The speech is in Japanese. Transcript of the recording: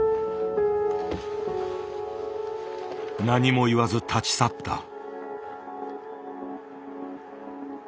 何も言わず立ち去った。